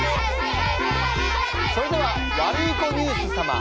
それではワルイコニュース様。